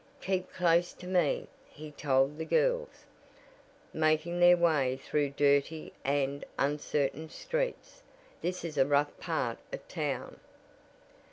"Keep close to me," he told the girls, making their way through dirty and uncertain streets. "This is a rough part of town."